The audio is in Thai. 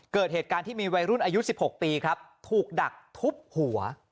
เกิดเหตุการณ์ที่มีวัยรุ่นอายุ๑๖ปีครับถูกดักทุบหัว